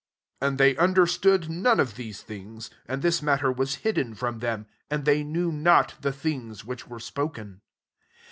34 And they understood none of these things: and this matter was hidden from them, and they knew not the things which were spoken.